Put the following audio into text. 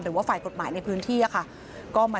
หรือว่าฝ่ายกฎหมายในพื้นที่ค่ะ